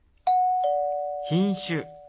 品種。